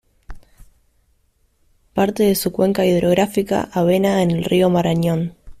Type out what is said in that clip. Parte de su cuenca hidrográfica avena en el río Marañón.